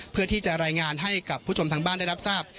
เพื่อที่จะรายงานให้กับผู้ชมทางบ้านได้รับทราบ